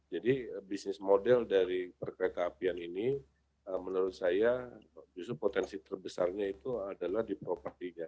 jadi bisnis model dari perkereta apian ini menurut saya justru potensi terbesarnya itu adalah di propertinya